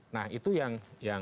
nah itu yang